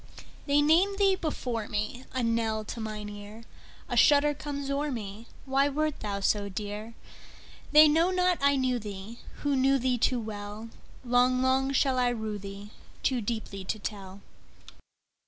They name thee before me,A knell to mine ear;A shudder comes o'er me—Why wert thou so dear? They know not I knew theeWho knew thee too well:Long, long shall I rue theeToo deeply to tell.